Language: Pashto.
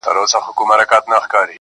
هسي نه هغه باور.